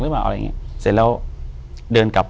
อยู่ที่แม่ศรีวิรัยิลครับ